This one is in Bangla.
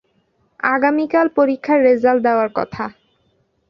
আগামীকাল পরীক্ষার রেজাল্ট দেওয়ার কথা।